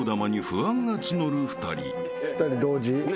２人同時。